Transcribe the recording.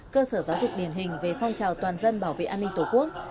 cơ sở giáo dục điển hình về phong trào toàn dân bảo vệ an ninh tổ quốc